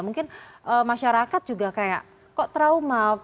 mungkin masyarakat juga kayak kok trauma